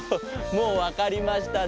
もうわかりましたね？